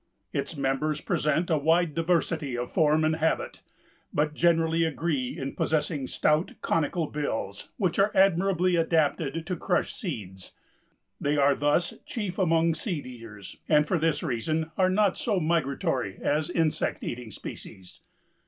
Its members present a wide diversity of form and habit, but generally agree in possessing stout, conical bills, which are admirably adapted to crush seeds. They are thus chief among seed eaters, and for this reason are not so migratory as insect eating species."